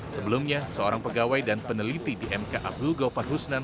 sebelumnya seorang pegawai dan peneliti di mk abdul ghafan husnan